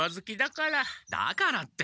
だからって。